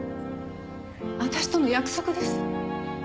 私との約束です。